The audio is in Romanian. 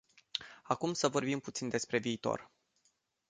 Acum să vorbim puțin despre viitor.